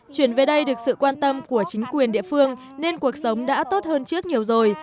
chuyển về đây được sự quan tâm của chính quyền địa phương nên cuộc sống đã tốt hơn trước nhiều rồi